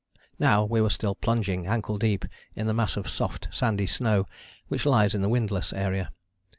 Now we were still plunging ankle deep in the mass of soft sandy snow which lies in the windless area.